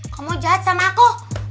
kamu jahat sama aku